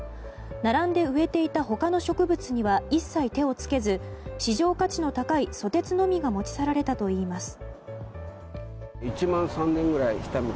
並んで植えていた他の植物には一切手を付けず市場価値の高いソテツのみが持ち去られたといいます。